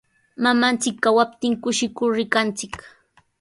Mamanchik kawaptin kushikur rikanchik.